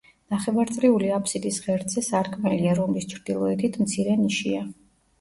ნახევარწრიული აფსიდის ღერძზე სარკმელია, რომლის ჩრდილოეთით მცირე ნიშია.